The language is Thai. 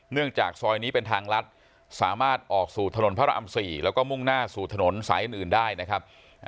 จากซอยนี้เป็นทางลัดสามารถออกสู่ถนนพระราม๔แล้วก็มุ่งหน้าสู่ถนนสายอื่นได้นะครับ